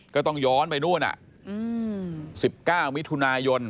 ก็ต้องย้อนไปนู่น๑๙มิถุนายน